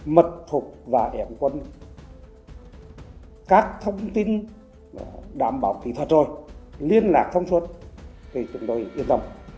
mật phục và hẹn quân các thông tin đảm bảo kỹ thuật rồi liên lạc thông suốt thì chúng tôi yên tâm